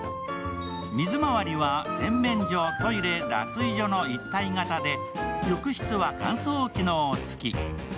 水回りは洗面所、トイレ、脱衣所の一体型で、浴室は乾燥機能つき。